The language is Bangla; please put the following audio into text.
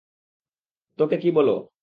তোকে কি বলো?